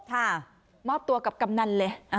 มอบตัวกับกำนันเลย